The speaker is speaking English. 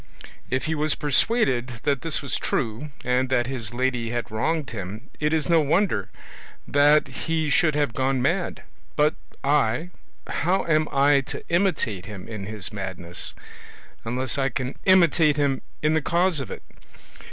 If he was persuaded that this was true, and that his lady had wronged him, it is no wonder that he should have gone mad; but I, how am I to imitate him in his madness, unless I can imitate him in the cause of it?